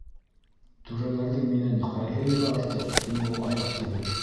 Түрәләрҙең минән ҡайһы ере артыҡ?! - тине ул аяҡ тибеп.